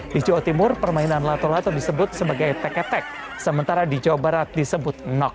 di jawa timur permainan lato lato disebut sebagai tekke tek sementara di jawa barat disebut nok